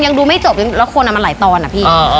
ยังดูไม่จบแล้วโคนันมันไหลตอนอะพี่